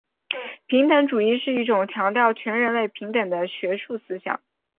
平等主义是一种强调全人类平等的学术思想。